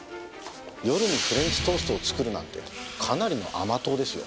夜にフレンチトーストを作るなんてかなりの甘党ですよ。